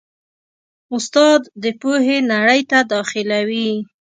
استاد د پوهې نړۍ ته داخلوي.